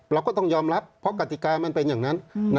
เราก็ต้องยอมรับเพราะกติกามันเป็นอย่างนั้น